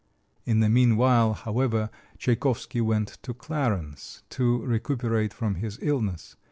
In the meanwhile, however, Tchaikovsky went to Clarens to recuperate from his illness.